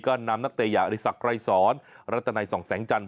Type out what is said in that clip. ก็นำนักเตยาอริษักรายสรรค์รัฐนัยส่องแสงจันทร์